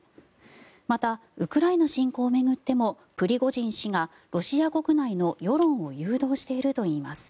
また、ウクライナ侵攻を巡ってもプリゴジン氏がロシア国内の世論を誘導しているといいます。